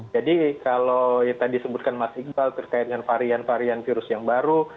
jadi kalau yang tadi disebutkan mas iqbal terkait dengan varian varian virus yang baru